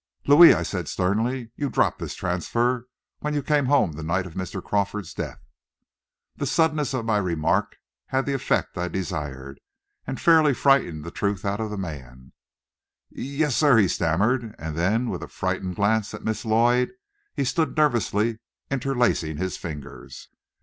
"Louis," I said sternly, "you dropped this transfer when you came home the night of Mr. Crawford's death." The suddenness of my remark had the effect I desired, and fairly frightened the truth out of the man. "Y yes, sir," he stammered, and then with a frightened glance at Miss Lloyd, he stood nervously interlacing his fingers.